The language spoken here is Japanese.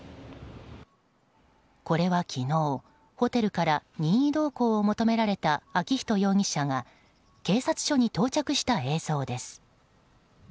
これは昨日ホテルから任意同行を求められた昭仁容疑者が警察署に到着した映像です。